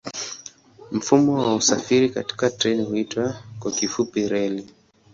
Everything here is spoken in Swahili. Mfumo wa usafiri kwa treni huitwa kwa kifupi reli.